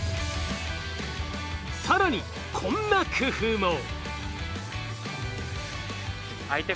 更にこんな工夫も。